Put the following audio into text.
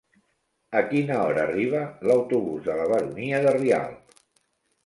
A quina hora arriba l'autobús de la Baronia de Rialb?